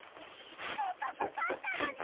せっかく勝ったのに。